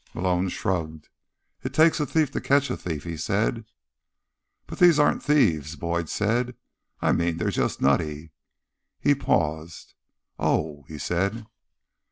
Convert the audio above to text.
Malone shrugged. "It takes a thief to catch a thief," he said. "But these aren't thieves," Boyd said. "I mean, they're just nutty." He paused. "Oh," he said.